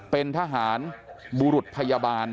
เป็นทหารบุรุษพยาบาล